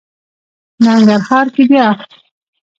ننګرهار کې بیا...